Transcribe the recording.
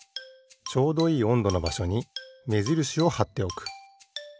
ちょうどいいおんどのばしょにめじるしをはっておく。